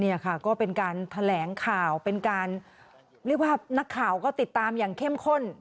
นี่ค่ะก็เป็นการแถลงข่าวเป็นการเรียกว่านักข่าวก็ติดตามอย่างเข้มข้น